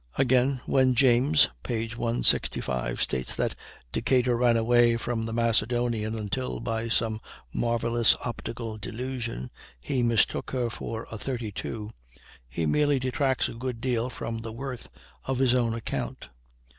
Again, when James (p. 165) states that Decatur ran away from the Macedonian until, by some marvellous optical delusion, he mistook her for a 32, he merely detracts a good deal from the worth of his own account.